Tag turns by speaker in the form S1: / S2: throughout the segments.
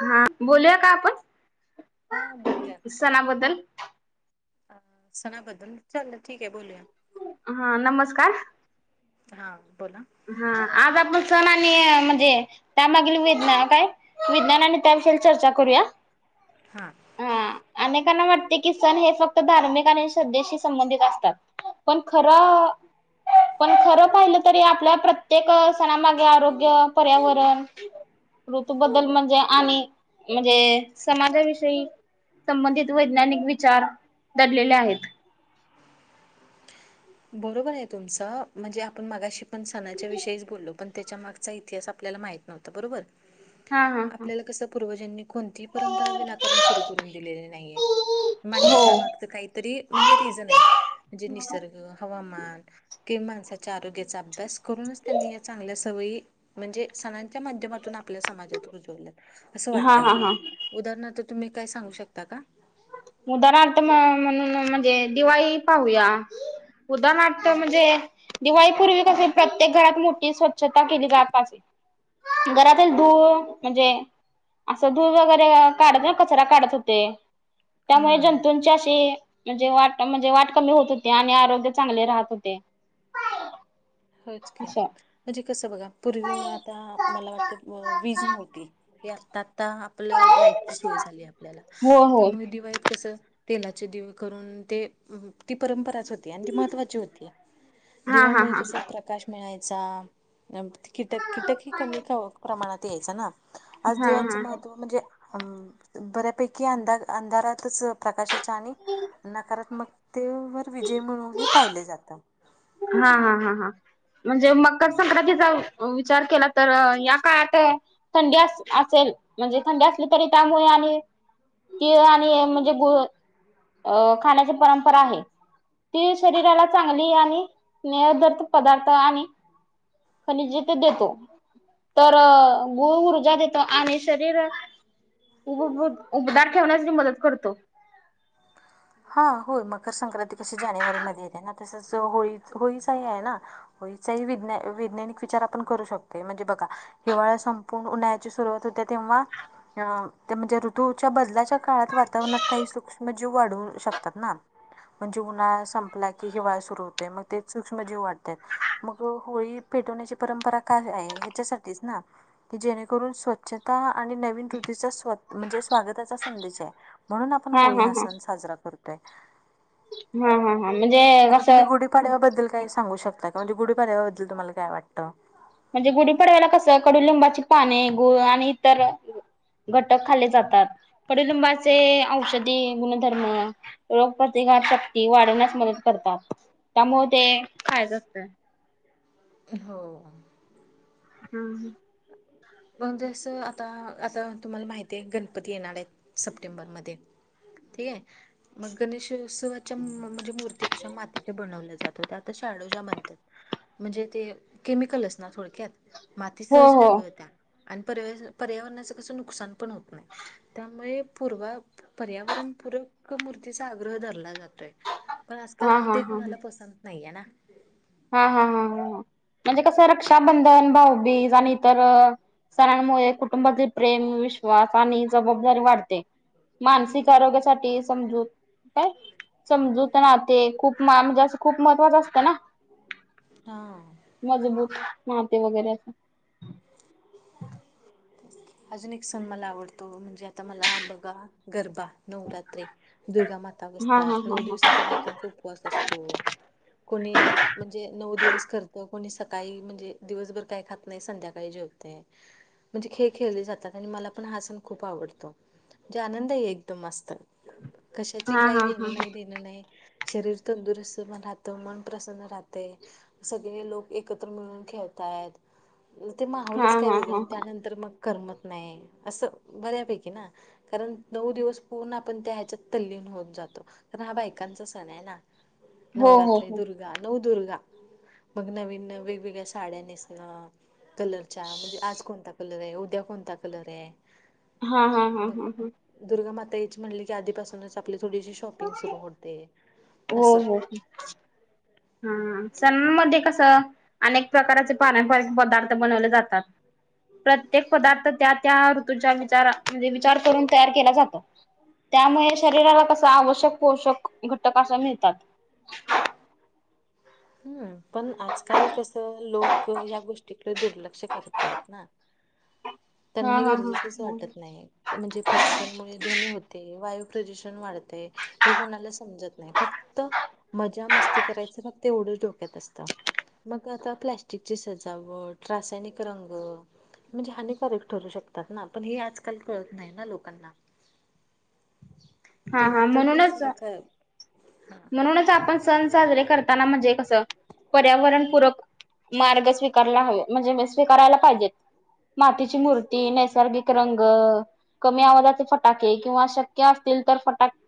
S1: हा बोलूया का आपण
S2: हा बोलूया
S1: सणा बद्दल
S2: अ सणा बद्दल चालेल ठीक हाय बोलुया
S1: हा नमस्कार
S2: हा बोला
S1: हा आज आपण सण आणि म्हणजे त्यामागील विज्ञान काय विज्ञान आणि त्याविषयी चर्चा करूया
S2: हा
S1: हा अनेकांना वाटते की सण हे फक्त धार्मिक आणि श्रद्धेशी संबंधित असतात पण खर पण खर पाहिलं तर हे आपल्या प्रत्येक सणामागे आरोग्य पर्यावरण ऋतूबद्दल म्हणजे आणि म्हणजे समाजाविषयी संबंधित वैज्ञानिक विचार दडलेले आहेत
S2: बरोबर आहे तुमचं म्हणजे आपण मगाशी पण सणाच्या विषयीच बोललो पण त्याच्या मागचा इतिहास आपल्याला माहित नव्हता बरोबर
S1: हा हा हा
S2: आपल्याला कसं पूर्वजांनी कोणतीही परंपरा विनाकारण सुरु करून दिलेली नाहीये मान्य हाय
S1: हो
S2: त्यामागचं काहीतरी म्हणजे रिझन हाय जे निसर्ग हवामान माणसाच्या आरोग्याचा अभ्यास करूनच त्यांनी या चांगल्या सवयी. म्हणजे सणांच्या माध्यमातून आपल्या समाजात रुजवल्यात असं
S1: हा
S2: वाटतं
S1: हा
S2: मला.
S1: हा
S2: उदाहरणार्थ तुम्ही काय सांगू शकतात.
S1: उदाहरणार्थ म्हणून म्हणजे दिवाळी पाहूया. उदाहरणा अर्थ म्हणजे दिवाळीपूर्वी कसं प्रत्येक घरात मोठी स्वच्छता केली जात असे. घरातील धूळ म्हणजे असं धूळ वगैरे काढत ना कचरा काढत होते त्यामुळे
S2: हा
S1: जंतूंची अशी म्हणजे वाट म्हणजे वाट कमी होत होते, आणि आरोग्य चांगले राहत होते.
S2: होयचकी
S1: असं
S2: म्हणजे कसं बघा पूर्वी आता. मला वाटत वीज नव्हती हे आता आता आपलं लाईट सोय झाली आपल्याला
S1: हो हो
S2: त्यामुळें दिवाळीत कसं तेलाचे दिवे करून ते ती परंपराच होती. आणि ती महत्त्वाची होती,
S1: हा हा
S2: दिव्यामुळे कस
S1: हा
S2: प्रकाश मिळायचा. कीटक कीटक ह कमी प्रमाणात यायचं ना आज
S1: हा
S2: दिव्यांचं
S1: हा
S2: महत्त्व म्हणजे, अ बऱ्यापैकी अंधा अंधारातच प्रकाशाच्या आणि नकारात्मक- ते वर विजय म्हळुन ही पाहिले जातं.
S1: हा हा हा म्हणजे मकर संक्रांतीचा विचार केला तर या काळात. थंडी असेल म्हणजे थंडी असली त्यामुळे आणि- तीळ आणि म्हणजे गुळ, अ खाण्याची परंपरा आहे तीळ शरीराला चांगली आणि- [unintelligible] पदार्थ नाही. खनिज ते देतो, तर गुळ ऊर्जा देतो. आणि शरीर उ उबदार ठेवण्यास मी मदत करतो.
S2: हा होय मकर संक्रांती कशी जानेवारी मध्ये येते ना तसच होळी होळीचाही आहे ना, होळी चा ही विज्ञ वैज्ञानिक विचार आपण करू शकत म्हणजे बघा. हिवाळा संपून उन्हाळ्याची सुरुवात होते तेव्हा अ ते म्हणजे ऋतूच्या बदलाच्या काळात वातावरणात काही सूक्ष्म जीव वाढू शकतात ना. म्हणजे उन्हाळा संपला की हिवाळ सुरू होते मग तेच सूक्ष्मजीव वाढत्यात. मग होळी पेटवण्याची परंपरा काय आहे ह्याच्यासाठीच ना. की जेणेकरून स्वच्छता आणि नवीन ऋतीचा स्वछ म्हणजे स्वागताचा संदेश आहे, म्हणून आपण होळी हा सण साजरा करतोय.
S1: हम हा आ म्हणजे,
S2: आता तुमी
S1: असं
S2: गुढीपाडव्याबद्दल काही सांगु शकता का. म्हणजे गुढीपाड्याबद्दल तुमला काय वाटतं?
S1: म्हणजे गुढी पडवायला कसं कडु लिंबाची पाने गुळ आणि इतर, घटक खाल्ले जातात, कडदुंबाचे औषधी गुणधर्म- रोग प्रतिकार शक्ती वाढवण्यास मदत करतात, त्यामुळे ते खायचं
S2: हो
S1: हम् ह
S2: म्हनजे जस आता आता तुम्हाला माहित आहे गणपती येणार आहेत. सप्टेंबरमध्ये ठीक आहे. मग गणेशोत्सवाच्या म्हणजे मूर्ती कशा मातीच्या बनवल्या जात होत्या आता शाडूच्या बानतात. म्हणजे ते केमिकल असणार थोडक्यात माती
S1: हो
S2: सहज
S1: हो
S2: विरघळत्या. आणि पर पर्यावरणाच कसं नुकसान पण होत नाही त्यामुळे पूर्वा पर्यावरणपूरक मूर्तीचा, आग्रह धरला जातोय. पण आजकाल,
S1: हा हा
S2: ते
S1: हा
S2: कुणाला पसंत नाहीे ये ना?
S1: हा -हा -हा -हा म्हणजे कसं रक्षाबंधन, भाऊबीज आणि इतर अ सणानमुळे कुटुंबातील प्रेम, विश्वास आणि जबाबदारी वाढते. मानसिक आरोग्यासाठी समझोक काय, समजूत नाते, खूप मान, असं खूप महत्त्वाचं असतं ना?
S2: हा
S1: मजबूत नातेे वगैरे असं
S2: [unintelligible] अजून एक सण मला आवडतो, म्हणजे आता मला बघा, गरबा नवरात्री, दुर्गा माता
S1: हा हा
S2: बसतात,
S1: हा
S2: नऊ दिवसाचा बायकांचा उपवास असतो. कोणी म्हणजे नऊ दिवस करत, कोणी सकाळी, म्हणजे दिवसभर काय खात नाही, संध्याकाळी बाई जेवते, म्हणजे खेळ खेळले जातात आणि मला पण हा सण खूप आवडतो. जे आनंद आहे एकदम मस्त, कशाची
S1: हा
S2: काय
S1: हा हा हा
S2: घेणं नाही देणं नाही शरीर तंदुरुस्त म राहतं, मन प्रसन्न रातय सगळे लोक, एकत्र मिळून खेळतायत ते
S1: हा हा
S2: माहोलंच काय
S1: हा
S2: वेगळं,
S1: हा
S2: त्यानंतर मग करमत नाही, असं बऱ्यापैकी ना कारण नऊ दिवस पूर्ण आपण त्या हयाच्यात तल्लीन होऊन जातो. तर हा बायकांचा सण आहे ना?
S1: हो हो
S2: नवरात्री
S1: हो
S2: दुर्ग र्गा - नवदुर्गा, मग नवीन - नवी वेगवेगळ्या साड्या नेसनं कलरच्या, म्हणजे आज कोणता कलर आहे, उद्या कोणता कलर आहे
S1: हा, हा, हा,
S2: मग
S1: हा, ह
S2: दुर्गा माता याची म्हणली की, आधीपासूनच आपली थोडीशी शॉपिंग सुरू होते, असं
S1: [inaudible] हंम हं, सनाणंमध्ये कसं, अनेक प्रकारचे पारंपरिक पदार्थ बनवले जातात. प्रत्येक पदार्थ त्या त्या ऋतूच्या विचारा म्हणजे विचार करून तयार केला जातो. त्यामुळे शरीराला कसं, आवश्यक पोषक घटक असं मिळतात.
S2: हम्म, पण आजकाल कसं, लोकं या गोष्टीकडे दुर्लक्ष करतायत ना? त्यांना
S1: हा
S2: हे
S1: हा हा
S2: गरजेचंच
S1: हा
S2: वाटत नाही म्हणजे फटाक्यांमुळे दोन्ही होते वायू प्रदूषण वाढतंय हे कोणाला समजत नाही, फक्त मजा मस्ती करायचं, फक्त एवढंच डोक्यात असतं. मग आता, प्लॅस्टिकची सजावट, रासायनिक रंग, म्हणजे हानी कारक ठरू शकतात ना, पण हे आजकाल कळत नाही ना, लोकांना
S1: हा -
S2: ते
S1: हा,
S2: फक्त तेच
S1: म्हणूनच
S2: का हा
S1: - म्हणूनच आपण सण साजरे करताना, म्हणजे कसं, पर्यावरणपूरक मार्ग स्वीकारला हवं, म्हणजे मी स्वीकारायला पाहिजेत, मातीची मूर्ती नैसर्गिक रंग, कमी आवाजाचे फटाके किंवा शक्य असतील तर फटाके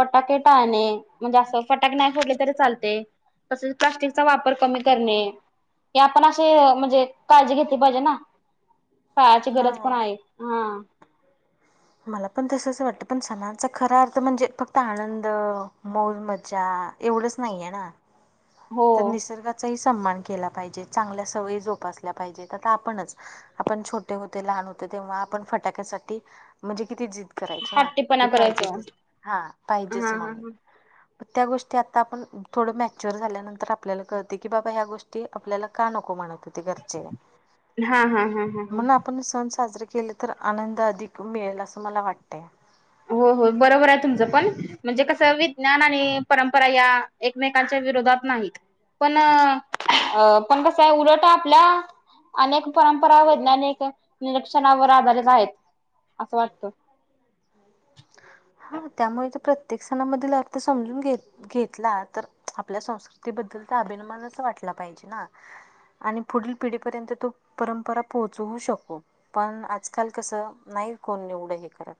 S1: फटाके टाळणे, म्हणजे असं, फटाके नाय फोडले तरी चालते तसंच प्लास्टिकचा वापर कमी करणे. हे आपण असे म्हणजे काळजी घेतली पाहिजे ना, काळाची
S2: हा
S1: गरज पण आहे. हा.
S2: मला पण तसंच वाटतं, पण सणांचा खरा अर्थ म्हणजे, फक्त आनंद मौजमजा एवढंच नाही आहे ना?
S1: हो
S2: तर निसर्गात चाही सन्मान केला पाहिजे, चांगल्या सवयी जोपासल्या पाहिजेत, आता आपणच आपण छोटे होते, लहान होते, तेंव्हा आपण फटाक्यासाठी म्हणजे किती जिद करायचो ना, की
S1: हट्टीपणा
S2: पाहिजे
S1: करायचं
S2: तेच, हा पाहिजेच
S1: हा हा
S2: म्हणून त्या गोष्टी आता आपण थोडं मॅच्युर झाल्यानंतर आपल्याला कळतय की बाबा ह्या गोष्टी ते आपल्याला का नको म्हणत होते घरचे.
S1: हा हा, हा हा हा.
S2: म्हणून आपण सण साजरे केले तर आनंद अधिक मिळेल, असं मला वाटतंय.
S1: हो हो बरोबर आहे तुमचं पण, म्हणजे कसं विज्ञान आणि परंपरा या एकमेकच्या विरोधात नाही पण, कसं आहे उलट आपल्या. अनेक परंपरावर अनेक निरीक्षणावर आधारित आहेत, असं वाटतं.
S2: हा त्यामुळे ते प्रत्येक सणामधील अर्थ समजून घेत. घेतला, तर आपल्या संस्कृतीबद्दल तर अभिनमानच वाटला पाहिजे ना. आणि पुढील पिढीपर्यंत तो परंपरा पोहचवू शको. पण आजकाल कसं, नाही कोण येवढं हे करत.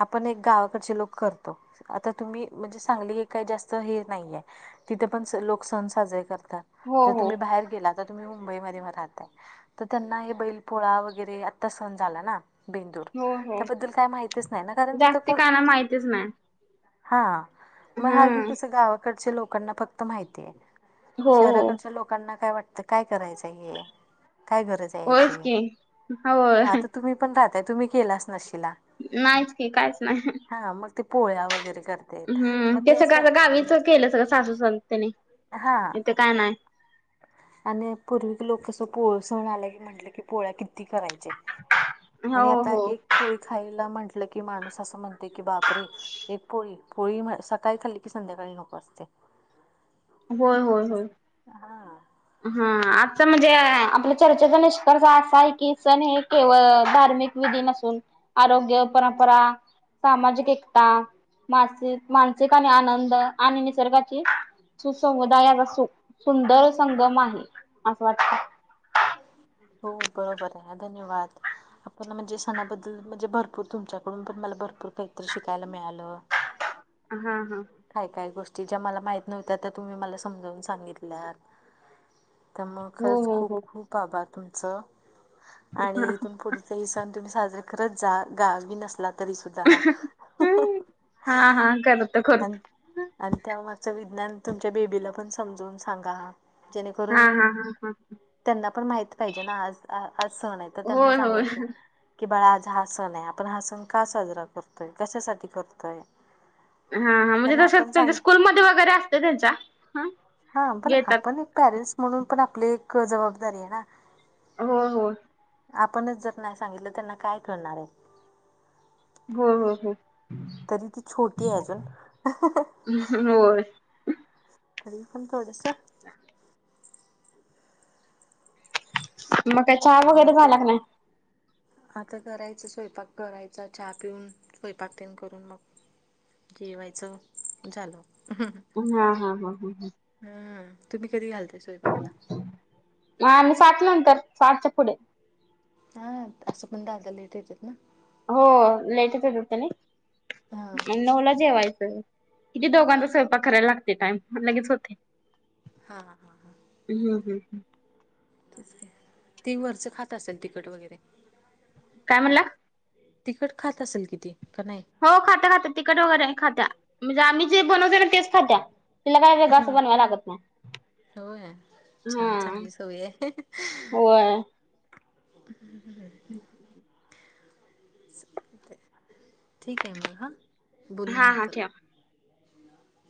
S2: आपण एक गावाकडचे लोक करतो, आता तुम्ही म्हणजे सांगली हे काही जास्त हे नाहीये. तिथे पण लोक सण साजरे करतात,
S1: हो
S2: जर
S1: हो
S2: तुम्ही बाहेर गेला तर. तुम्ही मुंबईमध्ये राहताय तर त्यांना हे बैल पोळा वगैरे आत्ता सण झाला ना बेंदूर
S1: हो हो
S2: त्याबद्दल काय माहितीच नाही ना. कारण तिथं
S1: जास्ती
S2: कोण
S1: काना माहितच नाही.
S2: हा मग हा की
S1: हम्म
S2: कसं गावाकडच्या लोकांना फ माहितीय
S1: हो हो
S2: शहराकडच्या लोकांना काय वाटतं काय करायचं हे काय गरज?
S1: होयच
S2: त्याचे
S1: की होय
S2: हा तर तुम्ही पण राहताय, तुम्ही केलाच नसशीला.
S1: नाहीच की काहीच नाही.
S2: हा मग ते पोळ्या वगैरे करत.
S1: हम्म ते सगळं असं गावीच केलं सगळं सासू सास त्याने
S2: हा
S1: इथे काय नाही.
S2: आणि पूर्वी लोकसं पोळ सण आलं की म्हटलं की पोळ्या किती करायचे.
S1: हो
S2: आणि आता
S1: हो
S2: एक पोळी खायला म्हंटलं की माणूस असं म्हण तय की बापरे एक पोळी पोळी सकाळी खाली कि संध्याकाळी नको असतंय.
S1: होय होय होय.
S2: हा.
S1: हा आजच म्हणजे आपल्या चर्चेचा निष्कर्ष असा आहे की, सण हे. केवळ धार्मिक विधी नसून, आरोग्य परंपरा सामाजिक एकता. मासिक मानसिक आणि आनंद आणि निसर्गाची. सुसमुदायाचा सु सुंदर संगम आहे असं वाटतं.
S2: हो बरोबर आहे धन्यवाद. म्हणजे सणाबद्दल म्हणजे तुमच्याकडून पण मला भरपूर काहीतरी शिकायला मिळालं.
S1: हा हा.
S2: काय काय गोष्टी ज्या मला माहित नव्हत्या त्या तुम्ही मला समजावून सांगितल्यात. तर मग
S1: हो
S2: खरंच
S1: हो
S2: खूप
S1: हो.
S2: खूप आभार तुमचं आणि इथून पुढ ह सण तुम्ही साजराे करत जा, गावी नसला तरी सुद्धा.
S1: हा हा करत
S2: आणि आणि त्या मागचं विज्ञान तुमच्या बेबीला पण समजवून सांगा. जेणेकरून.
S1: हा हा हा हा.
S2: त्यांना पण माहित पाहिजे ना आज आज सन आहे त्यांना
S1: होय होय
S2: सांगायचं. कि बाळा आज हा सण आहे आपण हा सण का साजरा करतोय कशासाठी करतोय.
S1: हा हा
S2: कारण आपण सांग
S1: तसेच स्कूलमध्ये वगैरे असते त्यांच्या हा गेटअप.
S2: पेरेंस. म्हणून पण आपली एक जबाबदारी आहे ना.
S1: हो हो
S2: आपणच जर नाय सांगितलं त्यांना काय करळणार आहे.
S1: हो हो हो.
S2: तरी ती छोटी आहे अजून.
S1: होय
S2: तरी पण थोडंसं.
S1: चांगल ये मग काय चहा वगैरे
S2: बाकी
S1: झाला का नाही?
S2: आता करायच स्वयंपाक करायचा, चहा पिऊन स्वयंपाकतेन करून मग जेवायचं झालं.
S1: हा हा हा, हा ह.
S2: हम्म, तुम्ही कधी घालताय स्वयंपाकाला?
S1: मग आम्ही सातनंतर सातच्या पुढे.
S2: हा असं पण दादा लेट येतेत ना.
S1: हो लेटच येतेत त्यानी,
S2: हा
S1: मग नऊला जेवायचं. किती दोघांचा स्वयंपाकराला लागते टाइम, लगेच होते.
S2: हा हा.
S1: हं हं.
S2: ती वरचं खात असेल तिखट वगैरे.
S1: काय म्हणला?
S2: तिकट खात असेल कि ती का नाही?
S1: हो खात्या खात्या तिखट वगैरे खात्या म्हणजे आम्ही जे बनवतोना तेच खात्या. तिला काय असं वेगंळ
S2: हा
S1: असं बनवायं लागत नाही.
S2: होय
S1: हा
S2: छान चांगली सवय आहे.
S1: होय
S2: [unintelligible] ठीक आहे मग हा, बोलू
S1: हा हा
S2: नंतर
S1: ठेवा.